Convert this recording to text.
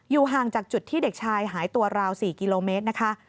ห่างจากจุดที่เด็กชายหายตัวราว๔กิโลเมตรนะคะ